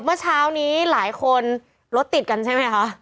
เมื่อเช้าหลายคนรถติดกันใช่มั้ยฮะ